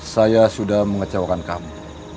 saya sudah mengecewakan kamu